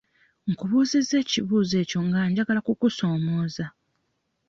Nkubuuzizza ekibuuzo ekyo nga njagala kukusoomooza.